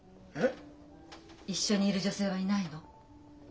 一緒にいる女性はいないの？